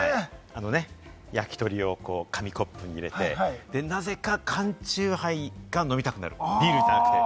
焼き鳥を紙コップに入れて、なぜか缶チューハイが飲みたくなる、ビールじゃなくて。